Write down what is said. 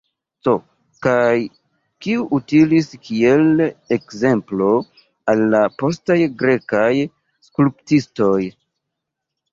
C. Kaj kiu utilis kiel ekzemplo al la postaj grekaj skulptistoj.